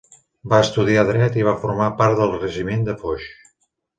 Va estudiar dret i va formar part del regiment de Foix.